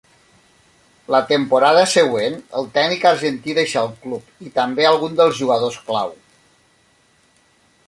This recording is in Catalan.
La temporada següent el tècnic argentí deixà el club i també alguns dels jugadors clau.